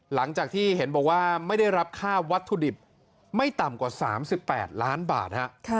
หลังจากที่เห็นบอกว่าไม่ได้รับค่าวัตถุดิบไม่ต่ำกว่า๓๘ล้านบาท